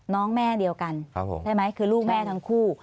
แม่เดียวกันใช่ไหมคือลูกแม่ทั้งคู่